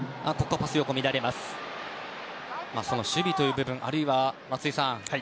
その守備という部分あるいは松井さん